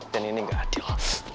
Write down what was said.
dan ini nggak adil